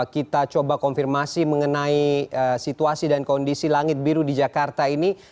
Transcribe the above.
kita coba konfirmasi mengenai situasi dan kondisi langit biru di jakarta ini